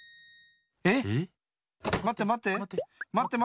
えっ⁉まってまって。